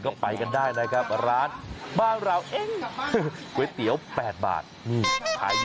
ก็ช่วยกันไปครับเหลือนิดหน่อยได้แปลงคนกินก็พอแล้วครับ